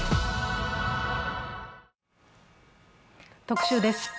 「特集」です。